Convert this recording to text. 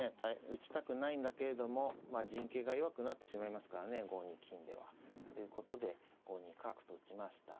打ちたくないんだけれども陣形が弱くなってしまいますからね５二金では。ということで５二角と打ちました。